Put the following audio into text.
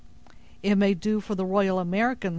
"It may do for the Royal Americans!"